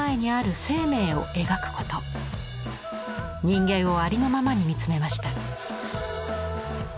人間をありのままに見つめました。